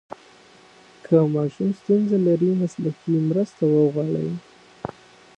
که ماشوم ستونزه لري، مسلکي مرسته وغواړئ.